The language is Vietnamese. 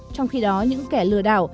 trong khi đó những kẻ lừa đảo